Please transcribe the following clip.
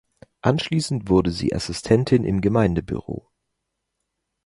Anschließend wurde sie Assistentin im Gemeindebüro.